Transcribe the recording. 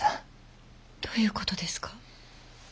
どういうことですか？